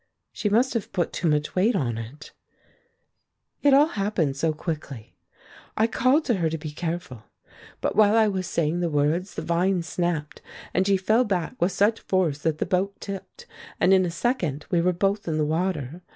She must have put too much weight on it "It all happened so quickly. I called to her to be careful, but while I was saying the words the vine snapped and she fell back with such force that the boat tipped, and in a second we were both in the water.